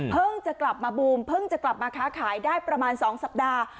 จะกลับมาบูมเพิ่งจะกลับมาค้าขายได้ประมาณ๒สัปดาห์